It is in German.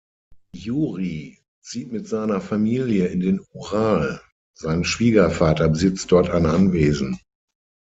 Jurij zieht mit seiner Familie in den Ural, sein Schwiegervater besitzt dort ein Anwesen.